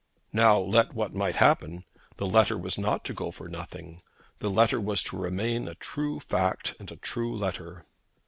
Now, let what might happen, the letter was not to go for nothing. The letter was to remain a true fact, and a true letter.